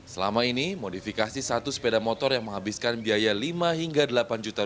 selama ini modifikasi satu sepeda motor yang menghabiskan biaya lima hingga delapan juta